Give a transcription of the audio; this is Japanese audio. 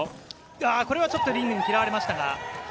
これはちょっとリングに嫌われました。